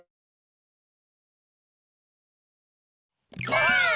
ばあっ！